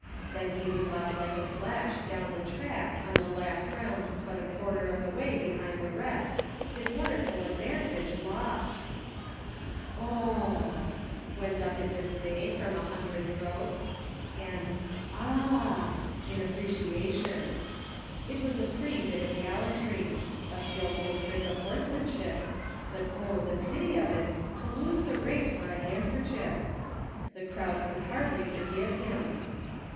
Then he was off like a flash down the track on the last round but a quarter of the way behind the rest, his wonderful advantage lost! " Oh hhnhhh !*' went up in dismay from a hundred throats ; and " Ah hh h !" in appreciation. It was a pretty bit of gallantry; a skilful trick of horsemanship, but, oh, the pity of it, to lose the race for a handker chief ! The crowd could (hardly forgive him.